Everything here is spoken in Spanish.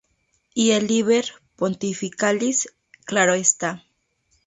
Y el Liber Pontificalis, claro está.